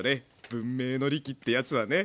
文明の利器ってやつはね。